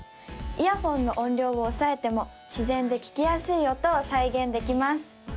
イヤホンの音量を抑えても自然で聴きやすい音を再現できます